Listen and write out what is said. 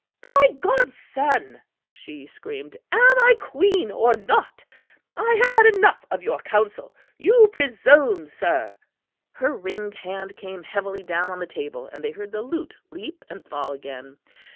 "By God's Son," she screamed, "am I Queen or not? I have had enough of your counsel. You presume, sir " her ringed hand came heavily down on the table and they heard the lute leap and fall again.